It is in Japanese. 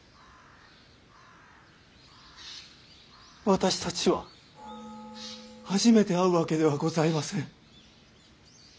私たちは初めて会うわけではございません。